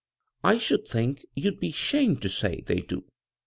" I ^ould think you'd be 'shamed to say they do.